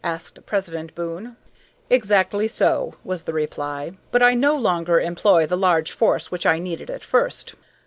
asked President Boon. "Exactly so," was the reply. "But I no longer employ the large force which I needed at first."